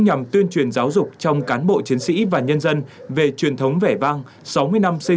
nhằm tuyên truyền giáo dục trong cán bộ chiến sĩ và nhân dân về truyền thống vẻ vang sáu mươi năm xây